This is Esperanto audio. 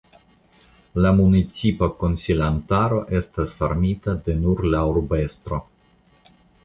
La municipa konsilantaro estas formita de nur la urbestro.